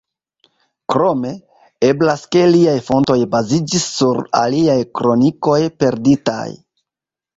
Krome, eblas ke liaj fontoj baziĝis sur aliaj kronikoj perditaj.